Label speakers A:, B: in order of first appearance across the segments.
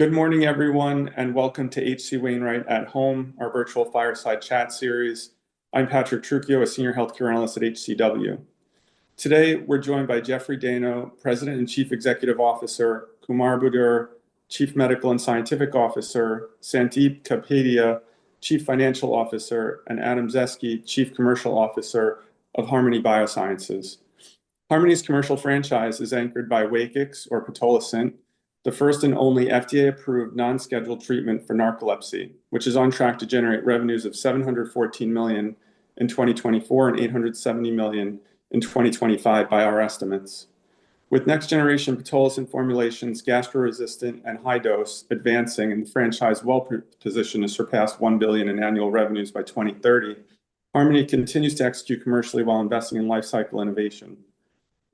A: Good morning everyone and welcome to HC Wainwright at Home, our virtual Fireside Chat series. I'm Patrick Truccio, a Senior Healthcare Analyst at HC Wainwright. Today we're joined by Jeffrey M. Dayno, President and Chief Executive Officer, Kumar Budur, Chief Medical and Scientific Officer, Sandip Kapadia, Chief Financial Officer, and Adam Zaeske, Chief Commercial Officer of Harmony Biosciences. Harmony's commercial franchise is anchored by Wakix or Pitolisant, the first and only FDA-approved non-scheduled treatment for narcolepsy, which is on track to generate revenues of $714 million in 2024 and $870 million in 2025 by our estimates. With next generation pitolisant formulations, gastro-resistant and high-dose, advancing and franchise well positioned to surpass $1 billion in annual revenues by 2030. Harmony continues to execute commercially while investing in life cycle innovation.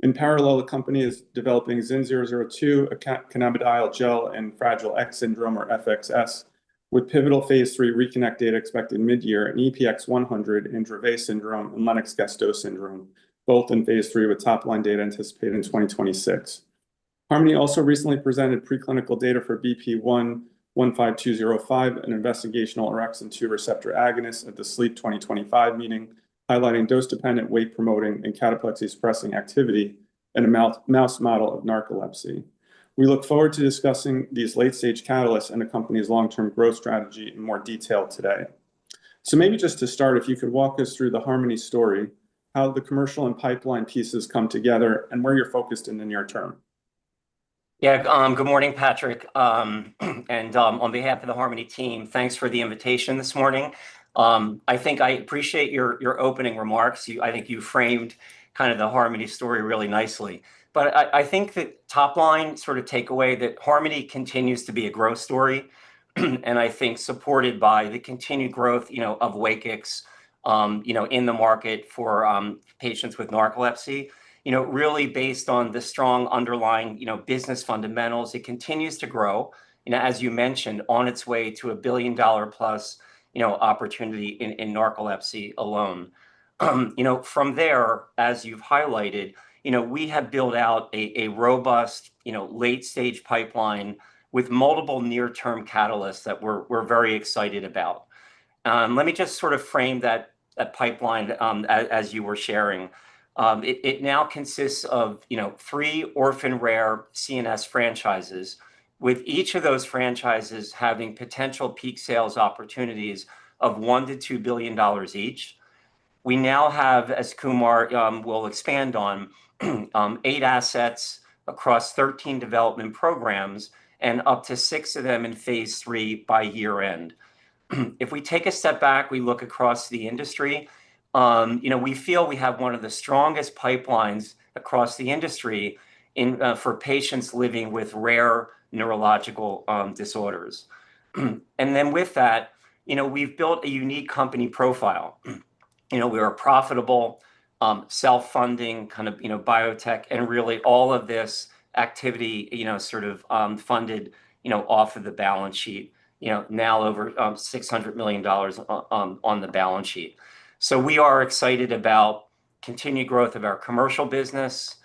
A: In parallel, the company is developing ZYN002, cannabidiol gel in Fragile X syndrome or FXS, with pivotal Phase 3 RECONNECT data expected mid-year, and EPX100 in Dravet syndrome and Lennox-Gastaut syndrome, both in Phase 3 with top-line data anticipated in 2026. Harmony also recently presented preclinical data for BP115205, an investigational orexin-2 receptor agonist, at the SLEEP 2025 meeting, highlighting dose-dependent wake-promoting and cataplexy-suppressing activity in a mouse model of narcolepsy. We look forward to discussing these late-stage catalysts and the company's long-term growth strategy in more detail today. Maybe just to start, if you could walk us through the Harmony story, how the commercial and pipeline pieces come together and where you're focused in the near term.
B: Yeah. Good morning Patrick. On behalf of the Harmony team, thanks for the invitation this morning. I appreciate your opening remarks. I think you framed kind of the Harmony story really nicely. I think that top line sort of takeaway that Harmony continues to be a growth story is supported by the continued growth of Wakix in the market for patients with narcolepsy, really based on the strong underlying business fundamentals. It continues to grow, as you mentioned, on its way to a billion dollar plus opportunity in narcolepsy alone. From there, as you've highlighted, we have built out a robust late stage pipeline with multiple near term catalysts that we're very excited about. Let me just frame that pipeline as you were sharing. It now consists of three orphan rare CNS franchises with each of those franchises having potential peak sales opportunities of $1 billion to $2 billion each. We now have, as Kumar will expand on, eight assets across 13 development programs and up to six of them in Phase 3 by year end. If we take a step back, we look across the industry, we feel we have one of the strongest pipelines across the industry for patients living with rare neurological disorders. With that, we've built a unique company profile. We are a profitable, self-funding biotech and really all of this activity is funded off of the balance sheet. Now over $600 million on the balance sheet. We are excited about continued growth of our commercial business,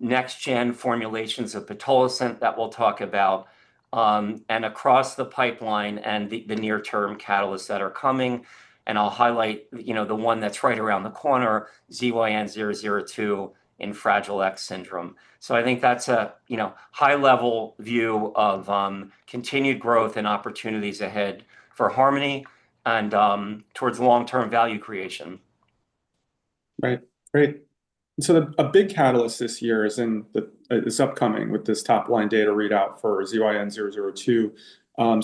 B: next gen formulations of pitolisant that we'll talk about, and across the pipeline and the near term catalysts that are coming. I'll highlight the one that's right around the corner, ZYN002 in Fragile X syndrome. I think that's a high level view of continued growth and opportunities ahead for Harmony and towards long term value creation.
A: Great. A big catalyst this year is upcoming with this top line data readout for ZYN002.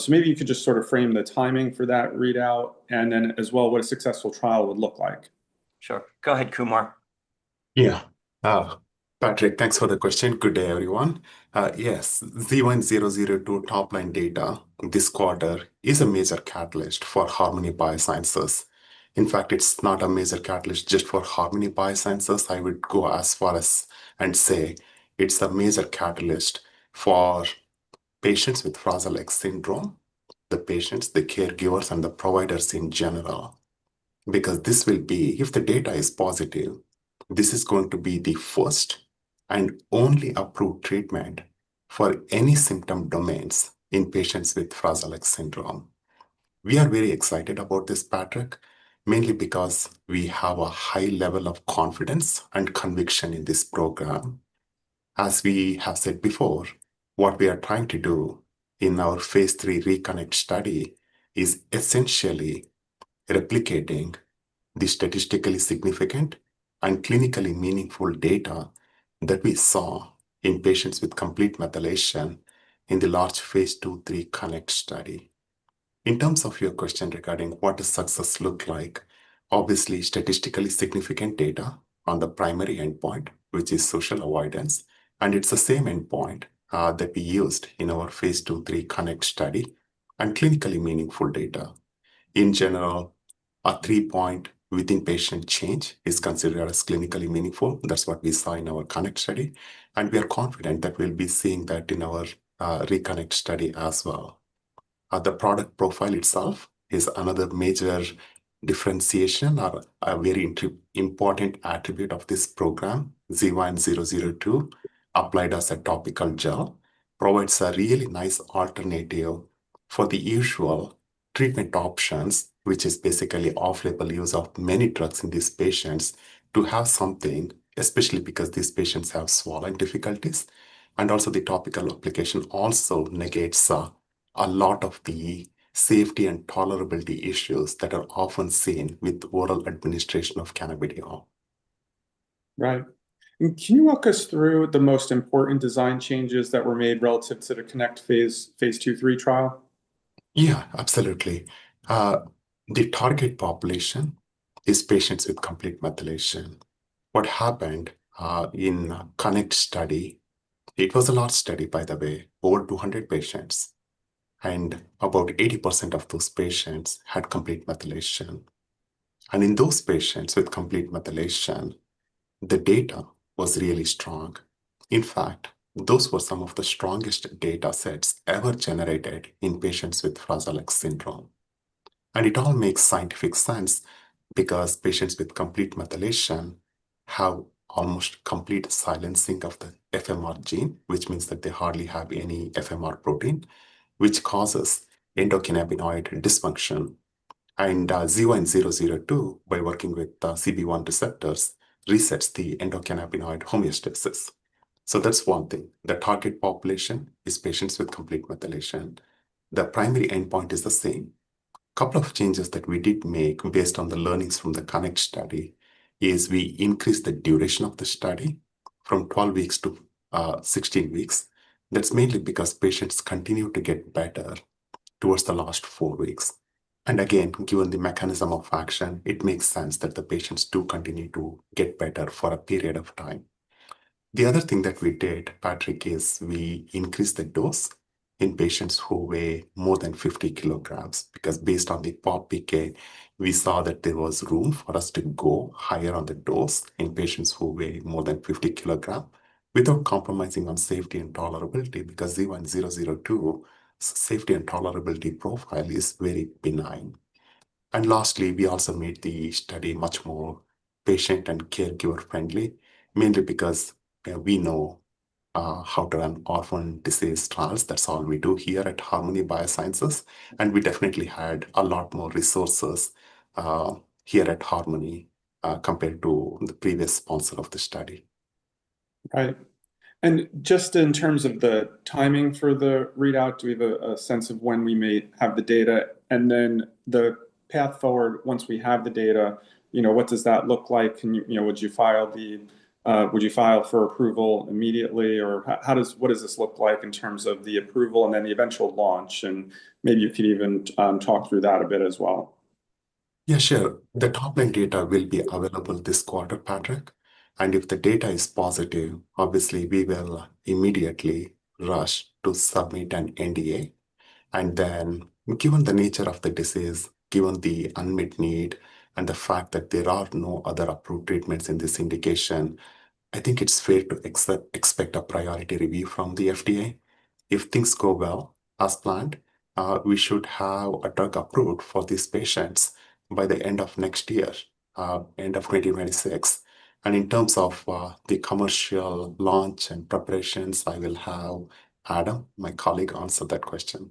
A: Maybe you could just sort of frame the timing for that readout and then as well what a successful trial would look like.
B: Sure, go ahead, Kumar.
C: Yeah, Patrick, thanks for the question. Good day everyone. Yes, ZYN002 top line data this quarter is a major catalyst for Harmony Biosciences. In fact, it's not a major catalyst just for Harmony Biosciences. I would go as far as and say it's a major catalyst for patients with Fragile X syndrome, the patients, the caregivers, and the providers in general. Because this will be, if the data is positive, this is going to be the first and only approved treatment for any symptom domains in patients with Fragile X syndrome. We are very excited about this, Patrick, mainly because we have a high level of confidence and conviction in this program. As we have said before, what we are trying to do in our Phase 3 RECONNECT study is essentially replicating the statistically significant and clinically meaningful data that we saw in patients with complete methylation in the large Phase 2/3 CONNECT study. In terms of your question regarding what does success look like, obviously statistically significant data on the primary endpoint, which is social avoidance, and it's the same endpoint that we used in our Phase 2/3 CONNECT study, and clinically meaningful data in general, a 3 point within-patient change is considered as clinically meaningful. That's what we saw in our CONNECT study, and we are confident that we'll be seeing that in our RECONNECT study as well. The product profile itself is another major differentiation, a very important attribute of this program. ZYN002 applied as a topical gel provides a really nice alternative for the usual treatment options, which is basically off-label use of many drugs in these patients, to have something especially because these patients have swallowing difficulties. The topical application also negates a lot of the safety and tolerability issues that are often seen with oral administration of cannabidiol.
A: Right, can you walk us through the most important design changes that were made relative to the Connect Phase 2/3 trial?
C: Yeah, absolutely. The target population is patients with complete methylation. What happened in the Connect study? It was a large study, by the way, over 200 patients and about 80% of those patients had complete methylation. In those patients with complete methylation, the data was really strong. In fact, those were some of the strongest data sets ever generated in patients with Fragile X syndrome. It all makes scientific sense because patients with complete methylation have almost complete silencing of the FMR gene, which means that they hardly have any FMR protein, which causes endocannabinoid dysfunction. ZYN002, by working with CB1 receptors, resets the endocannabinoid homeostasis. That's one thing. The target population is patients with complete methylation. The primary endpoint is the same. A couple of changes that we did make based on the learnings from the Connect study is we increased the duration of the study from 12 weeks to 16 weeks. That's mainly because patients continue to get better towards the last four weeks. Given the mechanism of action, it makes sense that the patients do continue to get better for a period of time. The other thing that we did, Patrick, is we increased the dose in patients who weigh more than 50 kg because based on the pop PK, we saw that there was room for us to go higher on the dose in patients who weigh more than 50 kg without compromising on safety and tolerability, because ZYN002 safety and tolerability profile is very benign. Lastly, we also made the study much more patient and caregiver friendly, mainly because we know how to run orphan disease trials. That's all we do here at Harmony Biosciences. We definitely had a lot more resources here at Harmony compared to the previous sponsor of the study.
A: Right. In terms of the timing for the readout, do we have a sense of when we may have the data and then the path forward, once we have the data, what does that look like? Would you file for approval immediately? How does this look in terms of the approval and then the eventual launch, and maybe you could even talk through that a bit as well.
D: Yeah, sure.
C: The top line data will be available this quarter, Patrick, and if the data is positive, obviously we will immediately rush to submit an NDA. Given the nature of the disease, given the unmet need and the fact that there are no other approved treatments in this indication, I think it's fair to expect a priority review from the FDA. If things go well as planned, we should have a drug approved for these patients by the end of next year, end of 2026. In terms of the commercial launch and preparations, I will have Adam, my colleague, answer that question.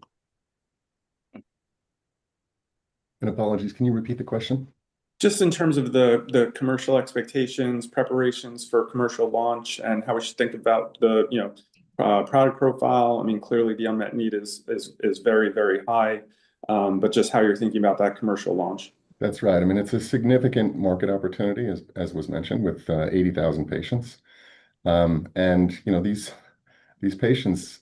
D: Apologies, can.
A: You repeat the question just in terms of the commercial expectations, preparations for commercial launch, and how we should think about the product profile? I mean clearly the unmet need is very, very high. Just how you're thinking about that commercial launch?
D: That's right. I mean it's a significant market opportunity as was mentioned, with 80,000 patients, and you know, these patients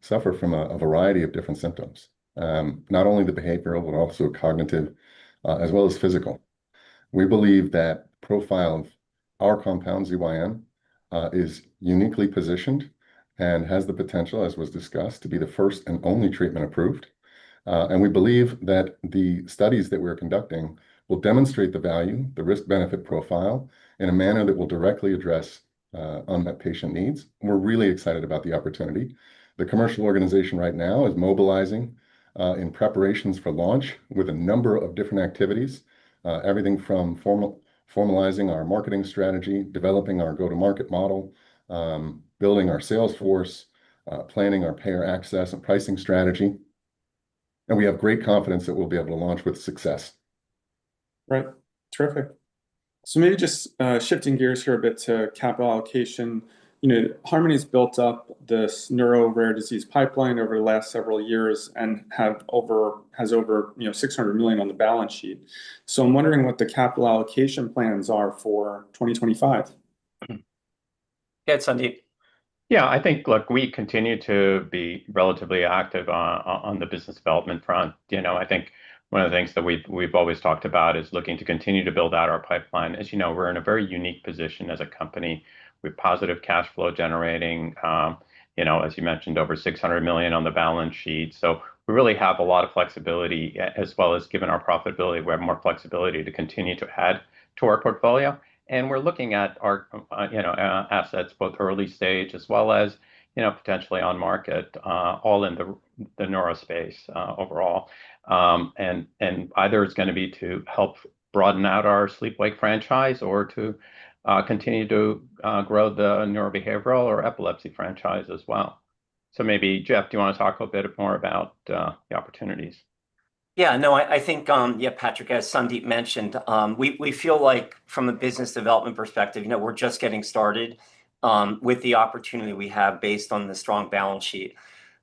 D: suffer from a variety of different symptoms, not only the behavioral, but also cognitive as well as physical. We believe that profile, our compound ZYN002, is uniquely positioned and has the potential, as was discussed, to be the first and only treatment approved. We believe that the studies that we're conducting will demonstrate the value, the risk benefit profile in a manner that will directly address unmet patient needs. We're really excited about the opportunity. The commercial organization right now is mobilizing in preparations for launch with a number of different activities, everything from formalizing our marketing strategy, developing our go to market model, building our sales force, planning our payer access and pricing strategy. We have great confidence that we'll be able to launch with success.
A: Right, terrific. Maybe just shifting gears here a bit to capital allocation. Harmony's built up this neuro rare disease pipeline over the last several years and has over $600 million on the balance sheet. I'm wondering what the capital allocation plan are for 2025.
E: Yeah, Sandip, yeah, I think, look, we continue to be relatively active on the business development front. I think one of the things that we've always talked about is looking to continue to build out our pipeline. As you know, we're in a very unique position as a company with positive cash flow generating, you know, as you mentioned, over $600 million on the balance sheet. We really have a lot of flexibility as well as given our profitability, we have more flexibility to continue to add to our portfolio. We're looking at our assets, both early stage as well as potentially on market, all in the neurospace overall. Either it's going to be to help broaden out our Sleep Wake franchise or to continue to grow the neurobehavioral or epilepsy franchise as well. Maybe Jeff, do you want to talk a bit more about the opportunities?
B: Yeah, no, I think Patrick, as Sandip mentioned, we feel like from a business development perspective, we're just getting started with the opportunity we have based on the strong balance sheet.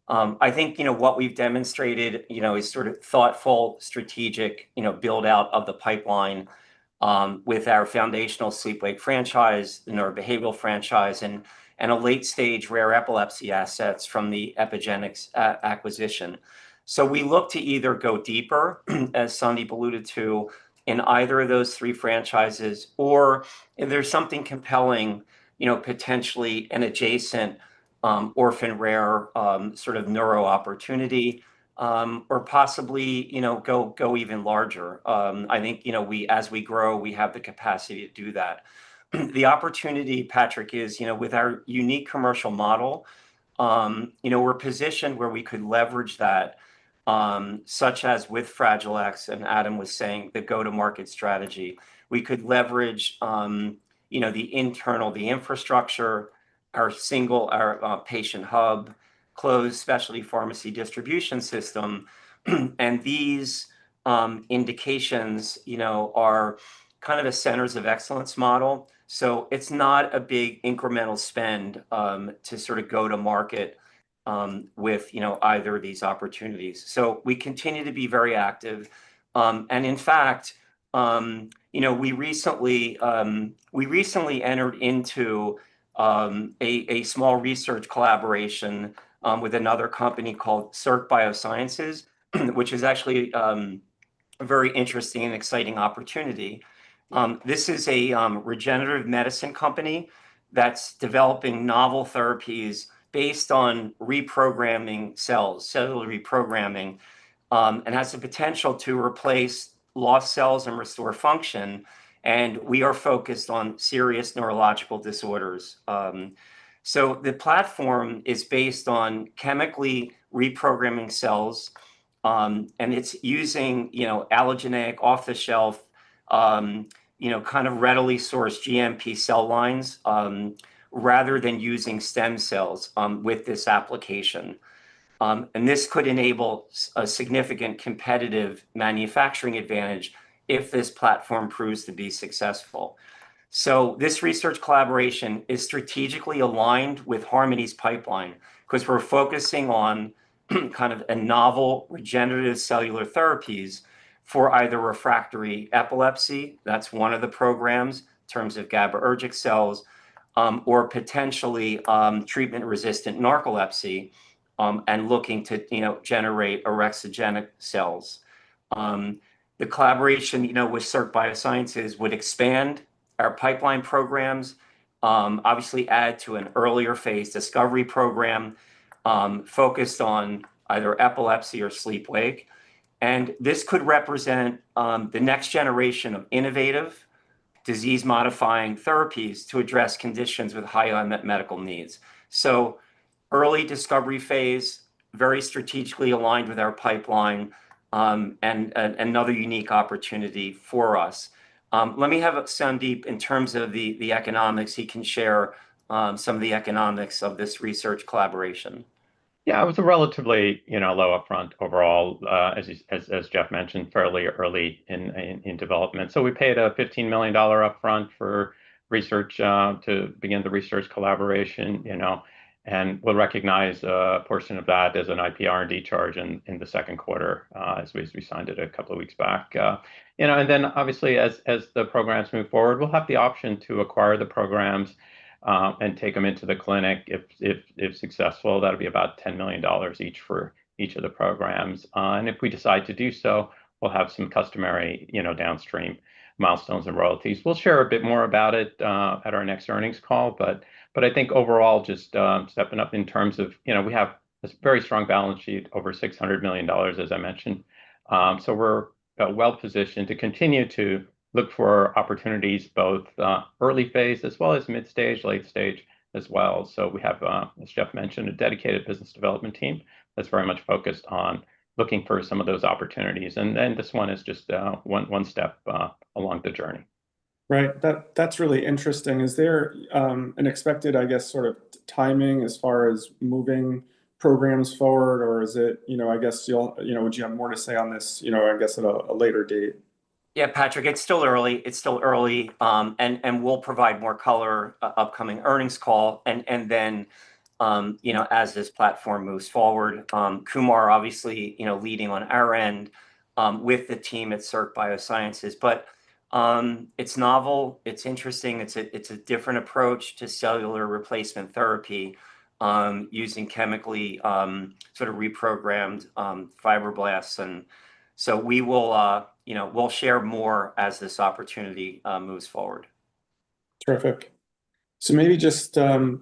B: I think what we've demonstrated is thoughtful strategic build out of the pipeline with our foundational Sleep Wake franchise, the neurobehavioral franchise, and a late stage rare epilepsy assets from the Epigenix acquisition. We look to either go deeper, as Sandip alluded to, in either of those three franchises, or if there's something compelling, potentially an adjacent orphan rare sort of neuro opportunity or possibly go even larger. I think as we grow we have the capacity to do that. The opportunity, Patrick, is with our unique commercial model, you know, we're positioned where we could leverage that, such as with Fragile X and Adam was saying the go to market strategy, we could leverage, you know, the internal, the infrastructure, our single, our patient hub, closed specialty pharmacy distribution system. These indications, you know, are kind of a centers of excellence model. It's not a big incremental spend to sort of go to market with, you know, either of these opportunities. We continue to be very active and in fact, you know, we recently entered into a small research collaboration with another company called Cirq Biosciences, which is actually a very interesting and exciting opportunity. This is a regenerative medicine company that's developing novel therapies based on reprogramming cells, cellular reprogramming, and has the potential to replace lost cells and restore function. We are focused on serious neurological disorders. The platform is based on chemically reprogramming cells and it's using allogeneic off the shelf readily sourced GMP cell lines rather than using stem cells with this application. This could enable a significant competitive manufacturing advantage if this platform proves to be successful. This research collaboration is strategically aligned with Harmony Biosciences' pipeline because we're focusing on kind of a novel regenerative cellular therapies for either refractory epilepsy, that's one of the programs in terms of GABAergic cells, or potentially treatment resistant narcolepsy and looking to generate orexigenic cells. The collaboration with Cirq Biosciences would expand our pipeline programs, obviously add to an earlier phase discovery program focused on either epilepsy or Sleep Wake, and this could represent the next generation of innovative disease modifying therapies to address conditions with high unmet medical needs. Early discovery phase, very strategically aligned with our pipeline and another unique opportunity for us. Let me have Sandip, in terms of the economics. He can share some of the economics of this research collaboration.
E: Yeah, it was a relatively low upfront overall, as Jeff mentioned, fairly early in development. We paid a $15 million upfront for research to begin the research collaboration. We'll recognize a portion of that as an IP, R&D charge in the second quarter as we signed it a couple of weeks back. Obviously, as the programs move forward, we'll have the option to acquire the programs and take them into the clinic. If successful, that'll be about $10 million each for each of the programs. If we decide to do so, we'll have some customary downstream milestones and royalties. We'll share a bit more about it at our next earnings call. I think overall just stepping up in terms of, you know, we have a very strong balance sheet, over $600 million as I mentioned. We're well positioned to continue to look for opportunities both early phase as well as mid stage, late stage as well. We have, as Jeff mentioned, a dedicated business development team that's very much focused on looking for some of those opportunities. This one is just one step along the journey.
A: Right, that's really interesting. Is there an expected timing as far as moving programs forward, or would you have more to say on this at a later date?
E: Yeah.
B: Patrick, it's still early. It's still early and we'll provide more color on the upcoming earnings call, and then, you know, as this platform moves forward. Kumar, obviously, you know, leading on our end with the team at Cirq Biosciences, but it's novel, it's interesting, it's a different approach to cellular replacement therapy using chemically, sort of reprogrammed fibroblasts. We will, you know, we'll share more as this opportunity moves forward.
A: Terrific. Maybe just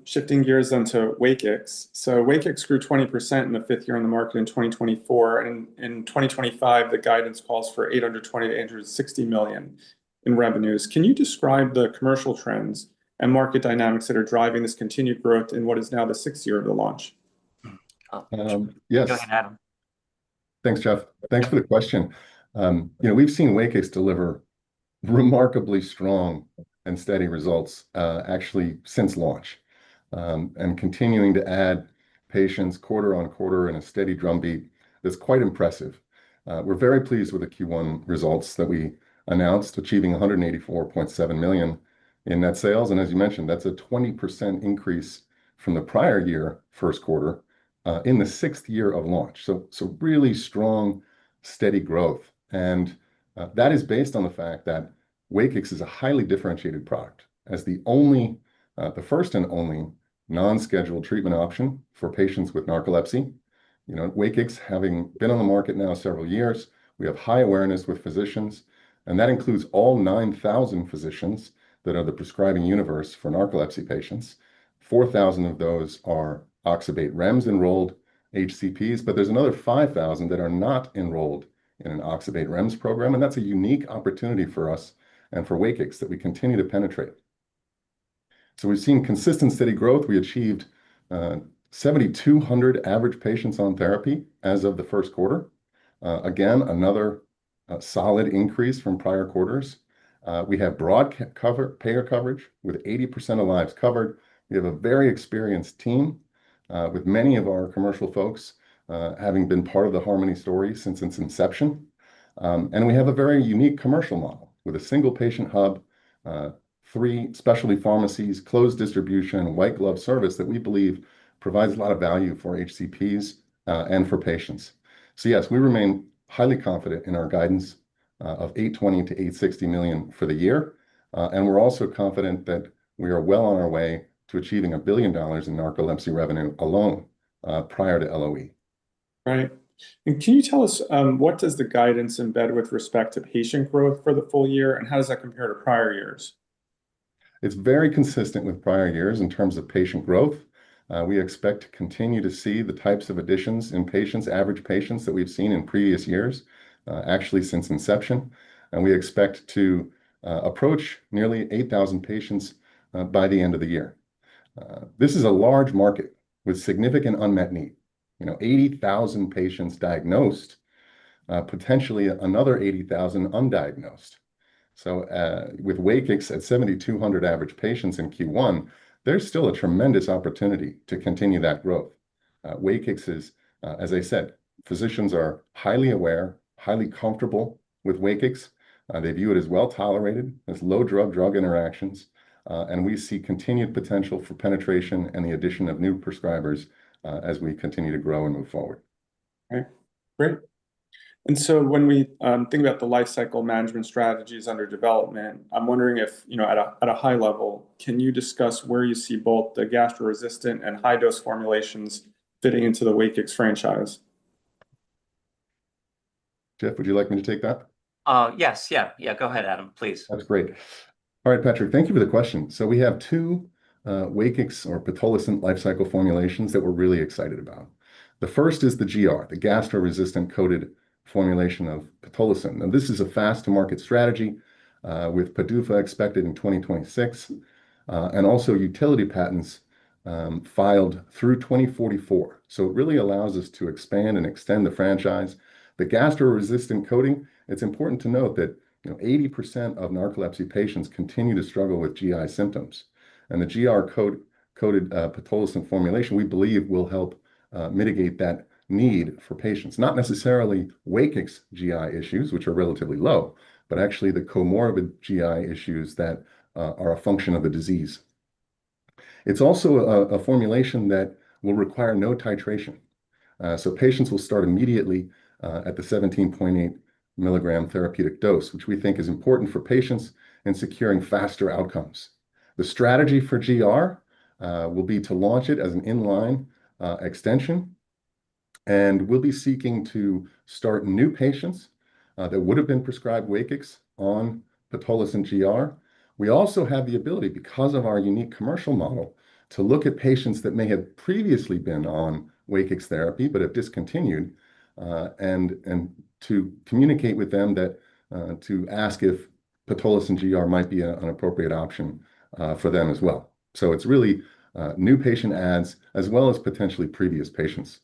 A: shifting gears onto Wakix. Wakix grew 20% in the fifth year on the market in 2024, and in 2025 the guidance calls for $820 million to $860 million in revenues. Can you describe the commercial trends and market dynamics that are driving this continued growth in what is now the sixth year of the launch?
D: Yes. Thanks, Jeff. Thanks for the question. You know, we've seen Wakix deliver remarkably strong and steady results actually since launch and continuing to add patients quarter on quarter in a steady drumbeat. That's quite impressive. We're very pleased with the Q1 results that we announced, achieving $184.7 million in net sales and as you mentioned that's a 20% increase from the prior year first quarter in the sixth year of launch. Really strong steady growth and that is based on the fact that Wakix is a highly differentiated product as the first and only non-scheduled treatment option for patients with narcolepsy. Wakix, having been on the market now several years, we have high awareness with physicians and that includes all 9,000 physicians that are the prescribing universe for narcolepsy patients. 4,000 of those are oxybate REMS-enrolled HCPs, but there's another 5,000 that are not enrolled in an oxybate REMS program and that's a unique opportunity for us and for Wakix that we continue to penetrate. We've seen consistent steady growth. We achieved 7,200 average patients on therapy as of the first quarter, again another solid increase from prior quarters. We have broad payer coverage with 80% of lives covered. We have a very experienced team with many of our commercial folks having been part of the Harmony Biosciences story since its inception. We have a very unique commercial model with a single patient hub, three specialty pharmacies, closed distribution, white glove service that we believe provides a lot of value for HCPs and for patients. Yes, we remain highly confident in our guidance of $820 million to $860 million for the year. We're also confident that we are well on our way to achieving $1 billion in narcolepsy revenue alone prior to LOE.
A: Right. Can you tell us what does the guidance embed with respect to patient growth for the full year, and how does that compare to prior years?
D: It's very consistent with prior years in terms of patient growth. We expect to continue to see the types of additions in patients, average patients that we've seen in previous years actually since inception, and we expect to approach nearly 8,000 patients by the end of the year. This is a large market with significant unmet need. 80,000 patients diagnosed, potentially another 80,000 undiagnosed. With Wakix at 7,200 average patients in Q1, there's still a tremendous opportunity to continue that growth. Wakix is, as I said, physicians are highly aware, highly comfortable with Wakix. They view it as well tolerated, as low drug-drug interactions. We see continued potential for penetration and the addition of new prescribers as we continue to grow and move forward.
B: Great.
A: When we think about the lifecycle management strategies under development, I'm wondering if, at a high level, you can discuss where you see both the gastro-resistant and high-dose formulations fitting into the Wakix franchise?
D: Jeff, would you like me to take that?
B: Yes, go ahead, Adam, please.
D: That's great. All right, Patrick, thank you for the question. We have two Wakix or pitolisant life cycle formulations that we're really excited about. The first is the GR, the gastro-resistant coated formulation of pitolisant. This is a fast to market strategy with PDUFA expected in 2026 and also utility patents filed through 2044. It really allows us to expand and extend the franchise. The gastro-resistant coating, it's important to note that 80% of narcolepsy patients continue to struggle with GI symptoms. The GR coated pitolisant formulation, we believe, will help mitigate that need for patients. Not necessarily Wakix GI issues, which are relatively low, but actually the comorbid GI issues are a function of the disease. It's also a formulation that will require no titration. Patients will start immediately at the 17.8 milligram therapeutic dose, which we think is important for patients and securing faster outcomes. The strategy for GR will be to launch it as an inline extension and we'll be seeking to start new patients that would have been prescribed Wakix on pitolisant GR. We also have the ability, because of our unique commercial model, to look at patients that may have previously been on Wakix therapy but have discontinued and to communicate with them to ask if pitolisant GR might be an appropriate option for them as well. It's really new patient adds as well as potentially previous patients.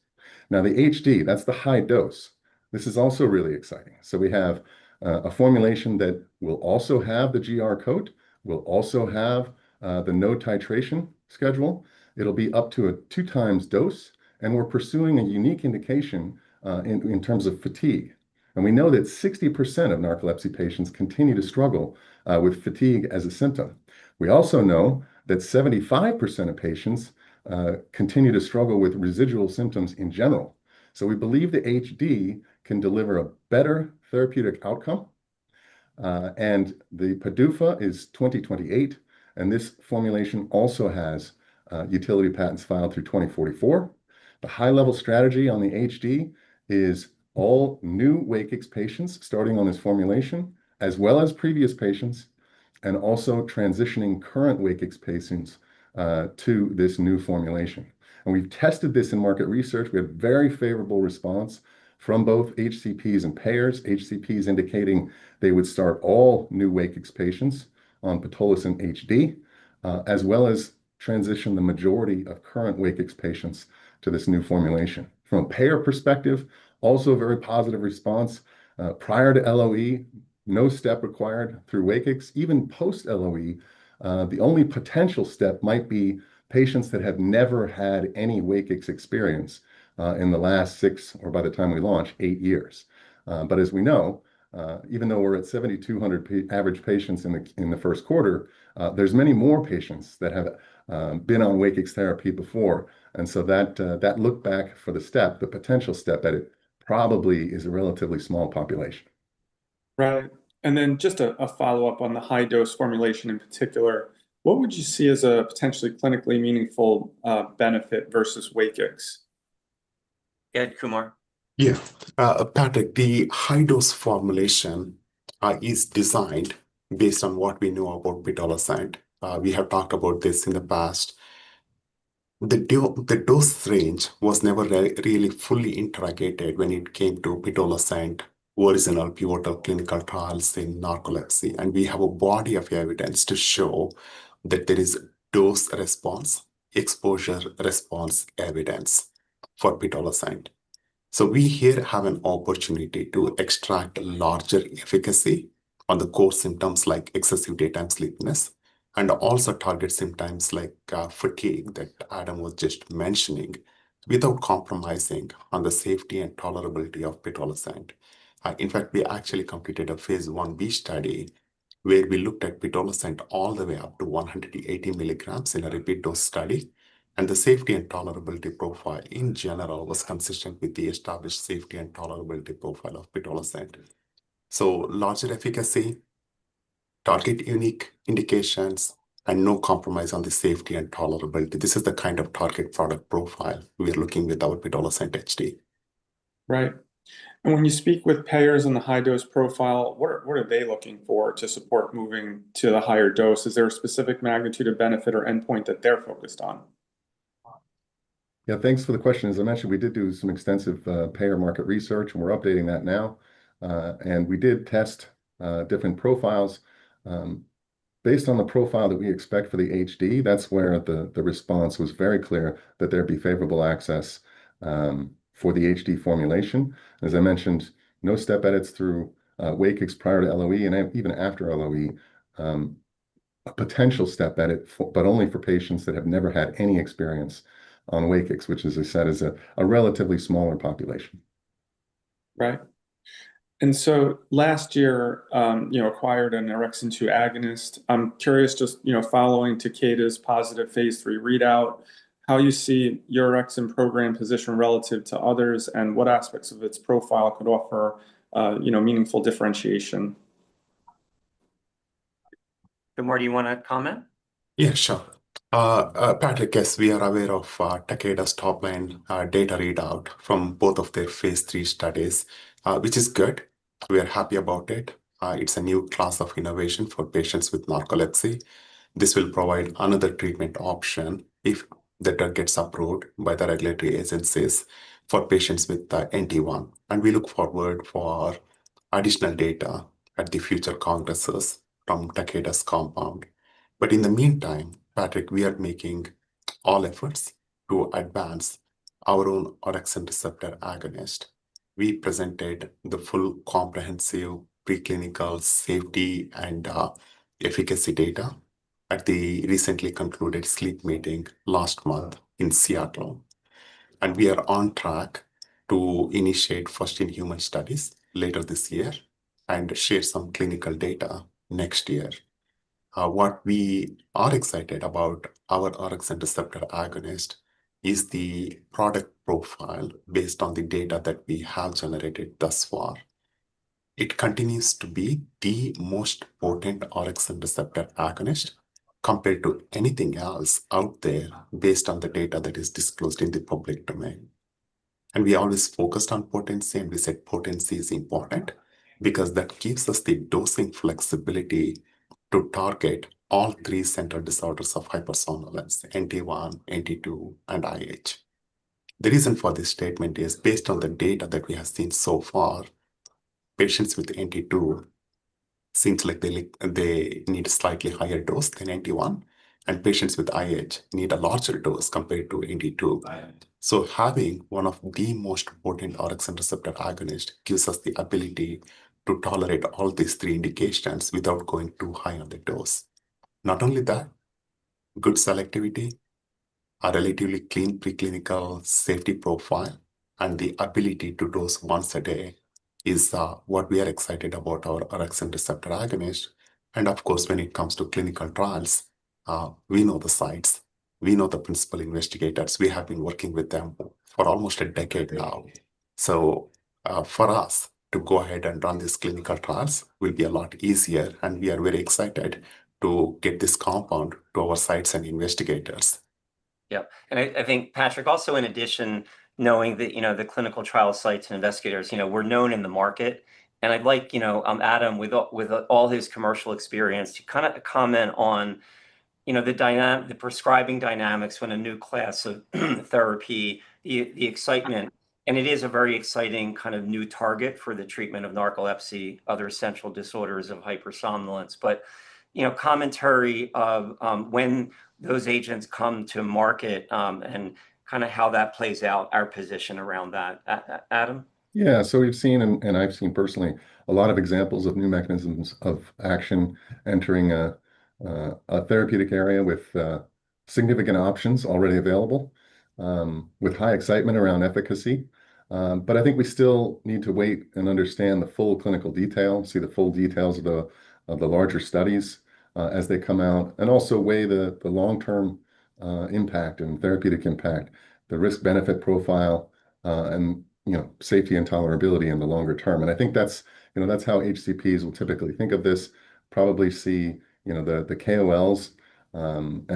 D: Now, the HD, that's the high-dose. This is also really exciting. We have a formulation that will also have the GR coat, will also have the no titration schedule. It'll be up to a two times dose and we're pursuing a unique indication in terms of fatigue. We know that 60% of narcolepsy patients continue to struggle with fatigue as a symptom. We also know that 75% of patients continue to struggle with residual symptoms in general. We believe the HD can deliver a better therapeutic outcome. The PDUFA is 2028 and this formulation also has utility patents filed through 2044. The high-level strategy on the HD is all new Wakix patients starting on this formulation as well as previous patients and also transitioning current Wakix patients to this new formulation. We've tested this in market research. We have very favorable response from both HCPs and payers. HCP is indicating they would start all new Wakix patients on pitolisant and high-dose as well as transition the majority of current Wakix patients to this new formulation from a payer perspective. Also a very positive response prior to LOE. No step required through Wakix even post LOE. The only potential step might be patients that have never had any Wakix experience in the last six or by the time we launch eight years. As we know, even though we're at 7,200 average patients in the first quarter, there's many more patients that have been on Wakix therapy before. That look back for the step, the potential step edit probably is a relatively small population.
A: Right. Just a follow up on the high-dose formulation in particular. What would you see as a potentially clinically meaningful benefit versus Wakix?
C: Yeah, Patrick. The high-dose formulation is designed based on what we know about pitolisant. We have talked about this in the past. The dose range was never really fully interrogated when it came to pitolisant original pivotal clinical trials in narcolepsy. We have a body of evidence to show that there is dose response, exposure response evidence for pitolisant. We here have an opportunity to extract larger efficacy on the core symptoms like excessive daytime sleepiness and also target symptoms like fatigue that Adam was just mentioning without compromising on the safety and tolerability of pitolisant. In fact, we actually completed a Phase 1B study where we looked at pitolisant all the way up to 180 mg in a repeat dose study. The safety and tolerability profile in general was consistent with the established safety and tolerability profile of pitolisant. Larger efficacy, target unique indications, and no compromise on the safety and tolerability. This is the kind of target product profile we are looking with our pitolisant HD.
A: Right. When you speak with payers in the high-dose profile, what are they looking for to support moving to the higher dose? Is there a specific magnitude of benefit or endpoint that they're focused on?
D: Yeah, thanks for the question. As I mentioned, we did do some extensive payer market research and we're updating that now. We did test different profiles based on the profile that we expect for the HD. That's where the response was very clear that there'd be favorable access for the HD formulation. As I mentioned, no step edits through Wakix prior to LOE and even after LOE, a potential step edit, but only for patients that have never had any experience on Wakix, which, as I said, is a relatively smaller population.
E: Right.
A: Last year, you know, acquired an orexin-2 receptor agonist. I'm curious, just following Takeda's positive Phase 3 readout, how you see your program positioned relative to others and what aspects of its profile could offer meaningful differentiation.
B: Timur, do you want to comment?
C: Yeah, sure. Patrick? Yes, we are aware of Takeda's top line data readout from both of their Phase 3 studies, which is good. We are happy about it. It's a new class of innovation for patients with narcolepsy. This will provide another treatment option if the drug gets approved by the regulatory agencies for patients with NT1. We look forward for additional data at the future congresses from Takeda's compound. In the meantime, Patrick, we are making all efforts to advance our own orexin-2 receptor agonist. We presented the full comprehensive preclinical safety and efficacy data at the recently concluded sleep meeting last month in Seattle. We are on track to initiate first in human studies later this year and share some clinical data next year. What we are excited about with our orexin-2 receptor agonist is the product profile based on the data that we have generated thus far. It continues to be the most potent orexin-2 receptor agonist compared to anything else out there, based on the data that is disclosed in the public domain. We always focused on potency and we said potency is important because that gives us the dosing flexibility to target all three central disorders of hypersomnolence, NT1, NT2, and IH. The reason for this statement is based on the data that we have seen so far, patients with NT2 seem like they need a slightly higher dose than NT1 and patients with IH need a larger dose compared to NT2. Having one of the most important orexin-2 receptor agonists gives us the ability to tolerate all these three indications without going too high on the dose. Not only that, good selectivity, a relatively clean preclinical safety profile, and the ability to dose once a day is what we are excited about with our orexin-2 receptor agonist. Of course, when it comes to clinical trials, we know the sites, we know the principal investigators, we have been working with them for almost a decade now. For us to go ahead and run these clinical trials will be a lot easier and we are very excited to get this compound to our sites and investigators.
B: Yes. I think, Patrick, also in addition, knowing that the clinical trial sites and investigators are known in the market, I'd like Adam, with all his commercial experience, to comment on the dynamic, the prescribing dynamics when a new class of therapy, the excitement, and it is a very exciting kind of new target for the treatment of narcolepsy, other essential disorders of hypersomnolence. Commentary of when those agents come to market and how that plays out, our position around that. Adam.
D: Yeah, so we've seen, and I've seen personally, a lot of examples of new mechanisms of action entering a therapeutic area with significant options already available with high excitement around efficacy. I think we still need to wait and understand the full clinical detail, see the full details of the larger studies as they come out, and also weigh the long-term impact and therapeutic impact, the risk-benefit profile, and, you know, safety and tolerability in the longer term. I think that's how HCPs will typically think of this. Probably see the KOLs and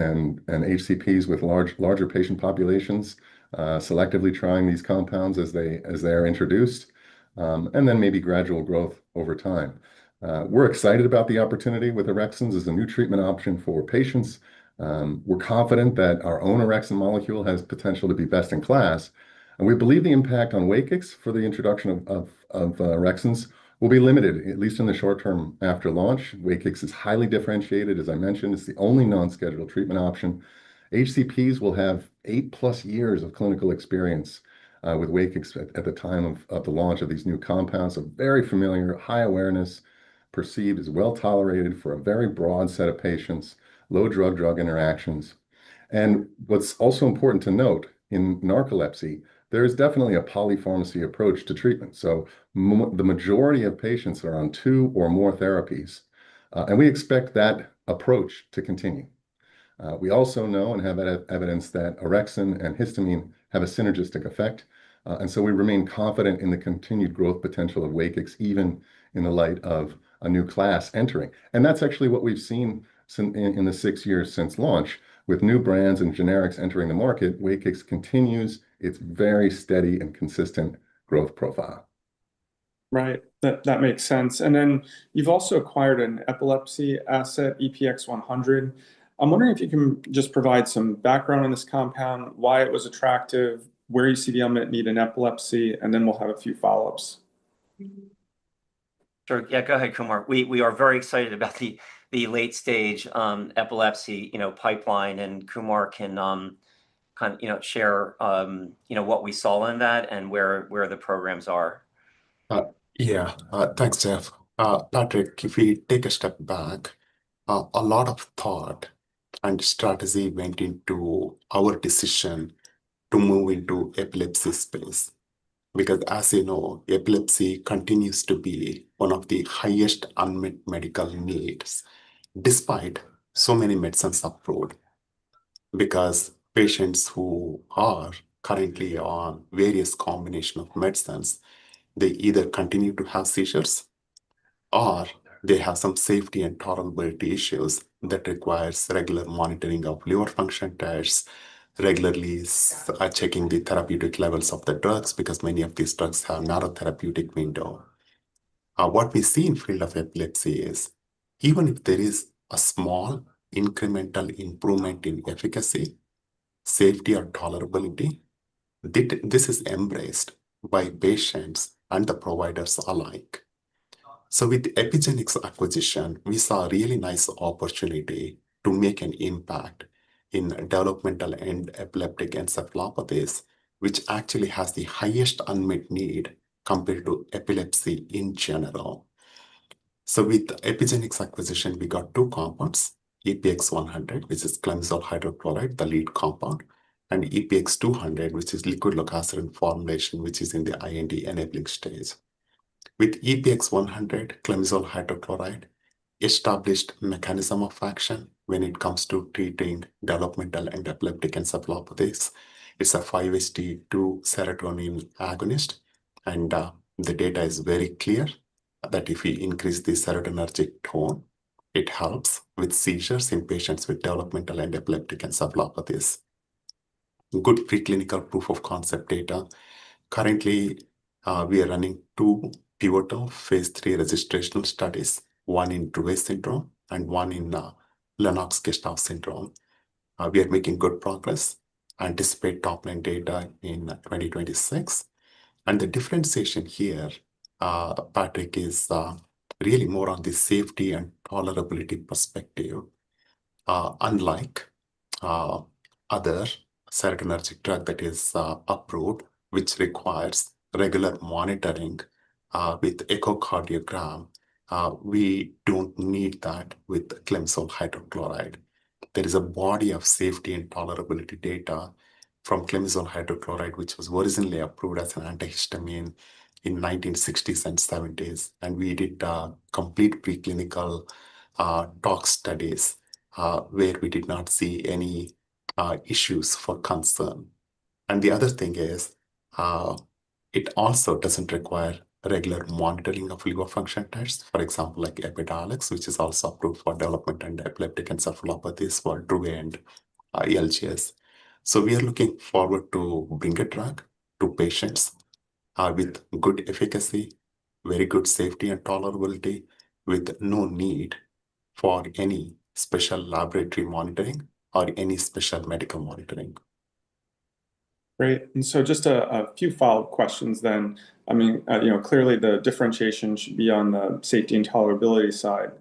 D: HCPs with larger patient populations selectively trying these compounds as they are introduced and then maybe gradual growth over time. We're excited about the opportunity with orexins as a new treatment option for patients. We're confident that our own orexin molecule has potential to be best in class, and we believe the impact on Wakix for the introduction of orexins will be limited, at least in the short term after launch. Wakix is highly differentiated. As I mentioned, it's the only non-scheduled treatment option. HCPs will have eight-plus years of clinical experience with Wakix at the time of the launch of these new compounds, so very familiar, high awareness, perceived as well tolerated for a very broad set of patients, low drug-drug interactions. What's also important to note, in narcolepsy there is definitely a polypharmacy approach to treatment, so the majority of patients are on two or more therapies, and we expect that approach to continue. We also know and have evidence that orexin and histamine have a synergistic effect. We remain confident in the continued growth potential of Wakix even in the light of a new class entering. That's actually what we've seen in the six years since launch. With new brands and generics entering the market, Wakix continues its very steady and consistent growth profile.
A: Right, that makes sense. You've also acquired an epilepsy asset, EPX100. I'm wondering if you can just provide some background on this compound, why it was attractive, where you see the unmet need in epilepsy, and then we'll have a few follow ups. Sure.
B: Yeah, go ahead, Kumar. We are very excited about the late-stage epilepsy pipeline, and Kumar can share what we saw in that and where the programs are.
C: Yeah, thanks, Jeff. Patrick, if we take a step back, a lot of thought and strategy went into our decision to move into epilepsy space because as you know, epilepsy continues to be one of the highest unmet medical needs despite so many medicines approved. Because patients who are currently on various combination of medicines, they either continue to have seizures or they have some safety and tolerability issues. That requires regular monitoring of liver function tests, regularly checking the therapeutic levels of the drugs, because many of these drugs have narrow therapeutic window. What we see in field of epilepsy is even if there is a small incremental improvement in efficacy, safety, or tolerability, this is embraced by patients and the providers alike. With Epigenix acquisition we saw a really nice opportunity to make an impact in developmental and epileptic encephalopathies, which actually has the highest unmet need compared to epilepsy in general. With Epigenix acquisition we got two compounds, EPX100 which is clemizole hydrochloride, the lead compound, and EPX200 which is liquid locamide formulation which is in the IND enabling stage. With EPX100, clemizole hydrochloride, established mechanism of action when it comes to treating developmental and epileptic encephalopathies. It's a 5HT2 serotonin agonist and the data is very clear that if we increase the serotonergic tone, it helps with seizures in patients with developmental and epileptic encephalopathies. Good preclinical proof of concept data. Currently we are running two pivotal Phase 3 registration studies, one in Dravet syndrome and one in Lennox-Gastaut syndrome. We are making good progress, anticipate top line data in 2026. The differentiation here, Patrick, is really more on the safety and tolerability perspective. Unlike other serotonergic drug that is approved which requires regular monitoring with echocardiogram, we don't need that with clemizole hydrochloride. There is a body of safety and tolerability data from clemizole hydrochloride which was originally approved as an antihistamine in 1960s and 1970s. We did complete preclinical tox studies where we did not see any issues for concern. The other thing is it also doesn't require regular monitoring of liver function tests, for example like Epidiolex which is also approved for developmental and epileptic encephalopathies for Dravet and LGS. We are looking forward to bring a drug to patients with good efficacy, very good safety and tolerability with no need for any special laboratory monitoring or any special medical monitoring.
E: Great.
A: Just a few follow up questions then. Clearly the differentiation should be on the safety and tolerability side.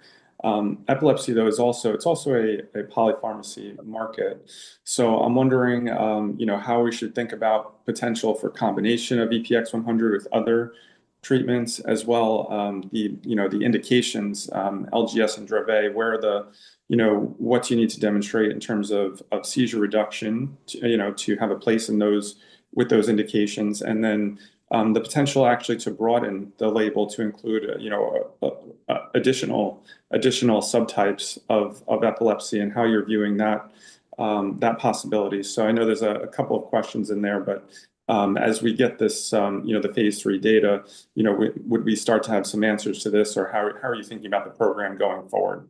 A: Epilepsy though is also a polypharmacy market. I'm wondering how we should think about potential for combination of EPX100 with other treatments as well. The indications, LGS and Dravet, where are the, what you need to demonstrate in terms of seizure reduction to have a place in those, with those indications and then the potential actually to broaden the label to include additional subtypes of epilepsy and how you're viewing that possibility. I know there's a couple of questions in there, but as we get this phase 3 data, would we start to have some answers to this or how are you thinking about the program going forward?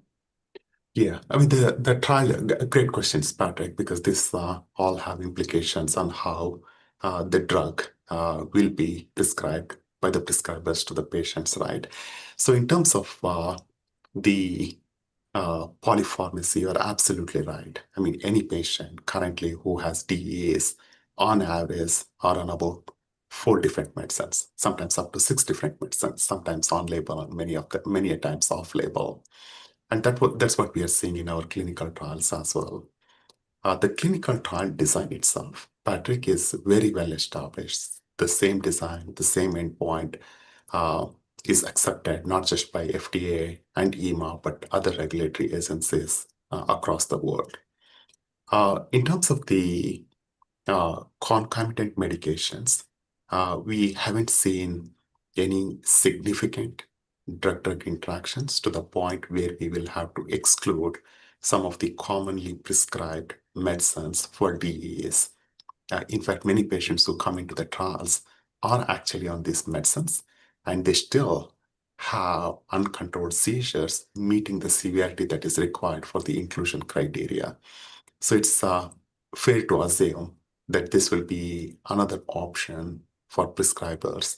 C: Yeah, I mean the trial. Great questions, Patrick, because this all have implications on how the drug will be prescribed by the prescribers to the patients. Right. In terms of the polypharmacy, you are absolutely right. I mean any patient currently who has described on average are on about four different medicines, sometimes up to six different medicines, sometimes on label and many a times off label. That's what we are seeing in our clinical trials as well. The clinical trial design itself, Patrick, is very well established. The same design, the same endpoint is accepted not just by FDA and EMA, but other regulatory agencies across the world. In terms of the concomitant medications, we haven't seen any significant drug, drug interactions to the point where we will have to exclude some of the commonly prescribed medicines for Dravet syndrome. In fact, many patients who come into the trials are actually on these medicines and they still have uncontrolled seizures meeting the severity that is required for the inclusion criteria. It's fair to assume that this will be another option for prescribers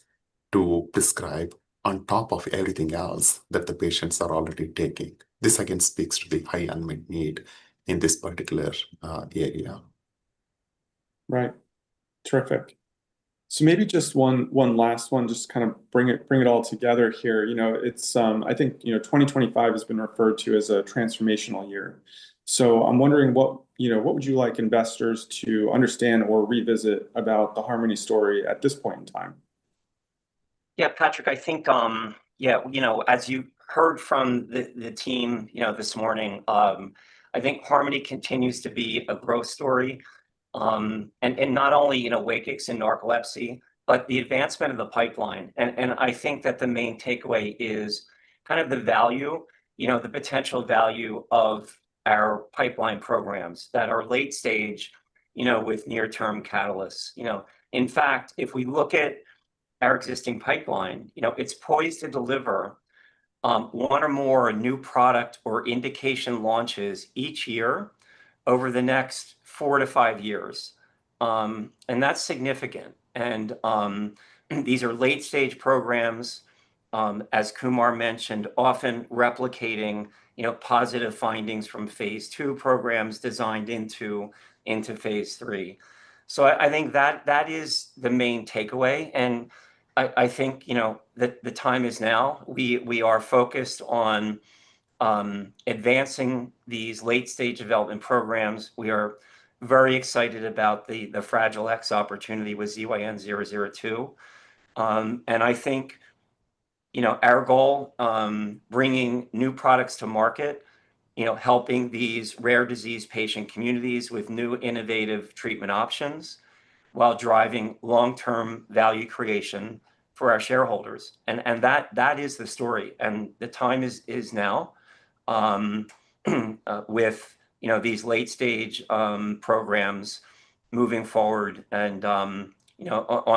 C: to prescribe on top of everything else that the patients are already taking. This again, speaks to the high unmet need in this particular area.
A: Right, terrific. Maybe just one last one to bring it all together here. I think 2025 has been referred to as a transformational year. I'm wondering what you would like investors to understand or revisit about the Harmony Biosciences story at this point in time.
B: Yeah, Patrick, I think, as you heard from the team this morning, I think Harmony continues to be a growth story not only in Wakix and narcolepsy, but the advancement of the pipeline. I think that the main takeaway is kind of the value, the potential value of our pipeline programs that are late stage with near term catalysts. In fact, if we look at our existing pipeline, it's poised to deliver one or more new product or indication launches each year over the next four to five years. That's significant. These are late stage programs, as Kumar mentioned, often replicating positive findings from Phase 2 programs designed into Phase 3. I think that is the main takeaway and I think the time is now. We are focused on advancing these late stage development programs. We are very excited about the Fragile X opportunity with ZYN002 and I think our goal, bringing new products to market, helping these rare disease patient communities with new innovative treatment options while driving long term value creation for our shareholders. That is the story and the time is now with these late stage programs moving forward and on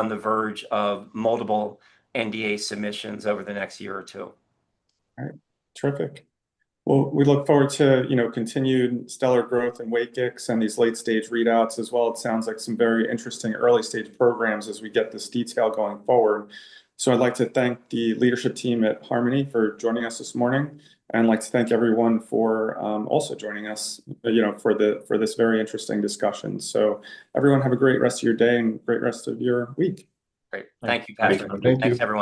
B: the verge of multiple NDA submissions over the next year or two.
A: All right, terrific. We look forward to continued stellar growth and late stage readouts as well. It sounds like some very interesting early stage programs as we get this detail going forward. I'd like to thank the leadership team at Harmony Biosciences for joining us this morning and thank everyone for also joining us for this very interesting discussion. Everyone have a great rest of your day and great rest of your week.
C: Great.
B: Thank you, Patrick. Thanks, everyone.